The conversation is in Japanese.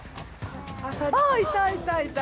◆あっ、いた、いたいた。